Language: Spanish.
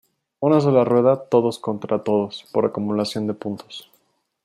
Una sola rueda todos contra todos, por acumulación de puntos.